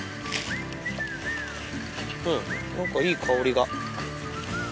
うん何かいい香りが。